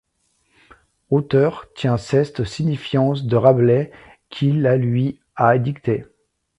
Autheur tient ceste signifiance de Rabelais, qui la luy ha dicte.